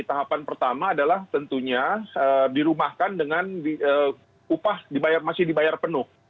tahapan pertama adalah tentunya dirumahkan dengan upah masih dibayar penuh